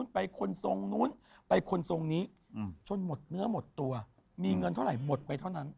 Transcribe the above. ไปคนทรงนู้นไปคนทรงนี้จนหมดเนื้อหมดตัวมีเงินเท่าไหร่หมดไปเท่านั้น